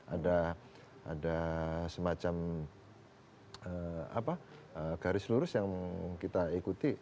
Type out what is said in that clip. ada semacam garis lurus yang kita ikuti